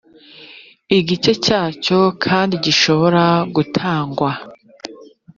igice cyacyo kandi gishobora gutangwa